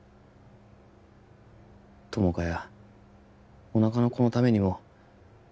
友果やおなかの子のためにも